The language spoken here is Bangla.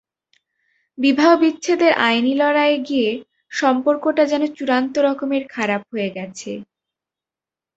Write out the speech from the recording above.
বিবাহ বিচ্ছেদের আইনি লড়াইয়ে গিয়ে সম্পর্কটা যেন চূড়ান্ত রকমের খারাপ হয়ে গেছে।